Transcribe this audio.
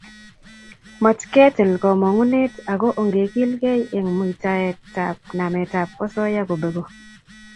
Matketil komongunet ako ongegilkei eng muitaetab nametab osoya kobeku